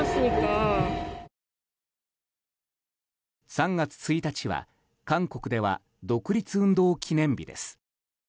３月１日は韓国では独立運動記念日です。